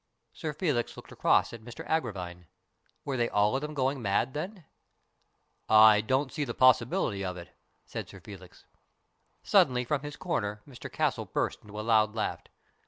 Sir Felix looked across at Mr Agravine. Were they all of them going mad, then ?" I don't see the possibility of it," said Sir Felix. Suddenly from his corner Mr Castle burst into a loud laugh.